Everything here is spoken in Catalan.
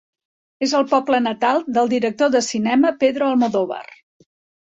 És el poble natal del director de cinema Pedro Almodóvar.